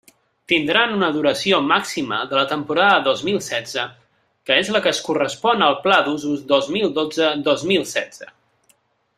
Tindran una duració màxima de la temporada dos mil setze, que és la que es correspon al Pla d'Usos dos mil dotze dos mil setze.